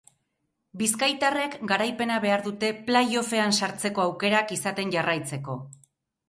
Bizkaitarrek garaipena behar dute play-offean sartzeko aukerak izaten jarraitzeko.